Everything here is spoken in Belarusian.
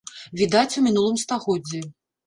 Відаць, у мінулым стагоддзі.